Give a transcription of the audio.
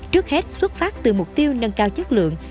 trước hết xuất phát từ mục tiêu nâng cao chất lượng